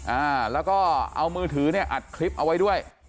อ่าแล้วก็เอามือถือเนี่ยอัดคลิปเอาไว้ด้วย